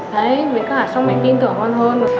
đấy với cả xong mẹ tin tưởng con hơn